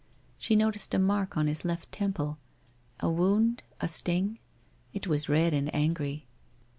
... She noticed a mark on his left temple, a wound, a sting? It was red and angry.